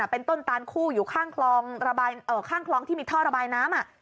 เป็นต้นตานคู่อยู่ข้างคลองที่มีท่อระบายน้ำ